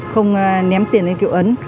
không ném tiền lên kiệu ấn